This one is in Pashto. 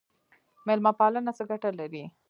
میلمه پالنه څه ګټه لري؟